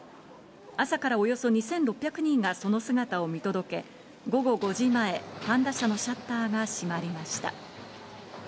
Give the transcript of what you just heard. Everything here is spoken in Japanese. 朝からおよそ２６００人がその姿を見届け、午後５時前、パンダ舎のシャッターが閉まりました。